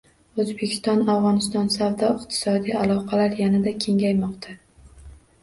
O‘zbekiston – Afg‘oniston: savdo-iqtisodiy aloqalar yanada kengaymoqda